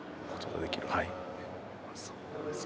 はい。